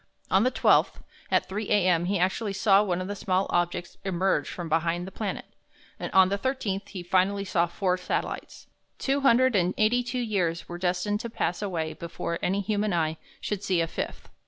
On the 12th, at 3 A.M., he actually saw one of the small objects emerge from behind the planet; and on the 13th he finally saw four satellites. Two hundred and eighty two years were destined to pass away before any human eye should see a fifth.